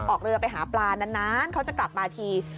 ออกเรือไปหาปลานานเขาจะกลับมาที